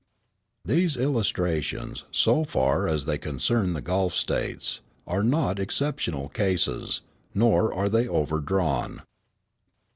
These illustrations, so far as they concern the Gulf States, are not exceptional cases; nor are they overdrawn.